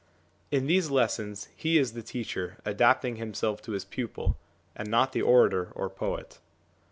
In these lessons he is the teacher adapting himself to his pupil, and not the orator or poet.